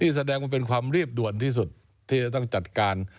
แสดงว่าเป็นความรีบด่วนที่สุดที่จะต้องจัดการ